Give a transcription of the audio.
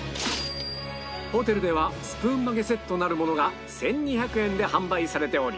ホテルではスプーン曲げセットなるものが１２００円で販売されており